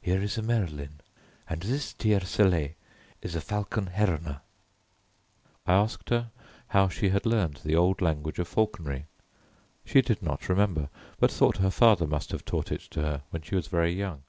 Here is a merlin, and this tiercelet is a falcon heroner." I asked her how she had learned the old language of falconry. She did not remember, but thought her father must have taught it to her when she was very young.